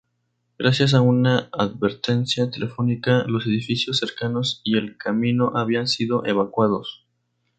Gracias a una advertencia telefónica, los edificios cercanos y el camino habían sido evacuados.